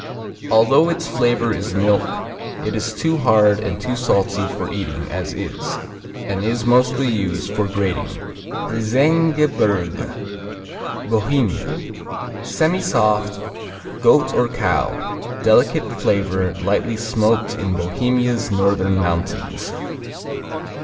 Although its flavor is milk it is too hard and too salty for eating as is, and is mostly used for grating. Riesengebirge Bohemia Semisoft; goat or cow; delicate flavor, lightly smoked in Bohemia's northern mountains.